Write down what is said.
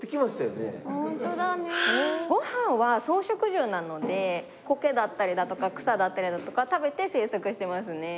ご飯は草食獣なのでコケだったりだとか草だったりだとかを食べて生息していますね。